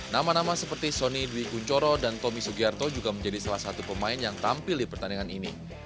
nama nama seperti sony dwi kunchoro dan tommy sugiarto juga menjadi salah satu pemain yang tampil di pertandingan ini